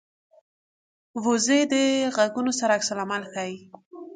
وزې د غږونو سره عکس العمل ښيي